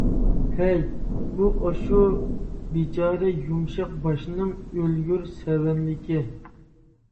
ھەي، بۇ ئاشۇ بىچارە يۇمشاق باشنىڭ ئۆلگۈر سەۋەنلىكى.